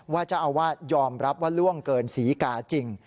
เจ้าอาวาสยอมรับว่าล่วงเกินศรีกาจริง